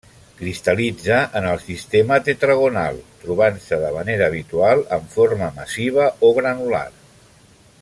Cristal·litza en el sistema tetragonal, trobant-se de manera habitual en forma massiva o granular.